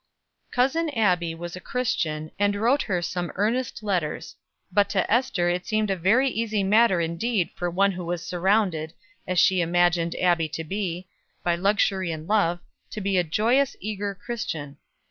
Cousin Abbie was a Christian, and wrote her some earnest letters; but to Ester it seemed a very easy matter indeed for one who was surrounded, as she imagined Abbie to be, by luxury and love, to be a joyous, eager Christian.